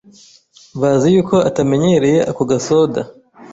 bazi yuko atamenyereye ako gasoda,